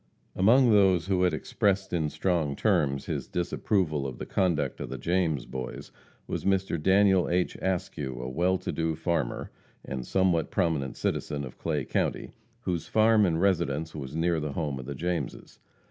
Among those who had expressed in strong terms his disapproval of the conduct of the James Boys, was Mr. Daniel H. Askew, a well to do farmer, and somewhat prominent citizen of Clay county, whose farm and residence was near the home of the Jameses.